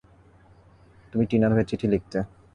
তুমি টিনার হয়ে চিঠি লিখতে।